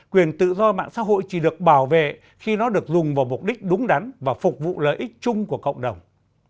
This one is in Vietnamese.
quyền tự do mạng xã hội chỉ được bảo vệ khi nó được dùng vào mục đích đúng đắn và phục vụ lợi ích chung của cộng đồng